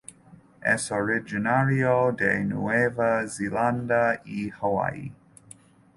Es originario de Nueva Zelanda y Hawaii.